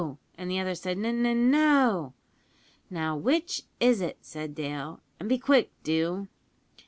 and the other said `N N N No!' `Now, which is it?' said Dale, `an' be quick do.'